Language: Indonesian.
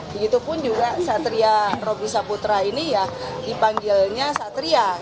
begitupun juga satria robri saputra ini ya dipanggilnya satria